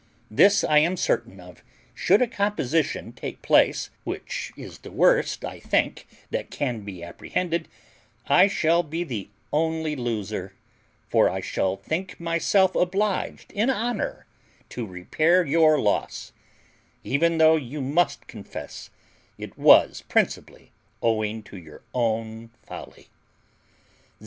This I am certain of, should a composition take place, which is the worst I think that can be apprehended, I shall be the only loser; for I shall think myself obliged in honour to repair your loss, even though you must confess it was principally owing to your own folly.